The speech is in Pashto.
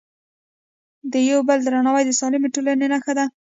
د یو بل درناوی د سالمې ټولنې نښه ده.